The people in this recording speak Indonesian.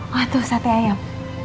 wah tuh sate ayam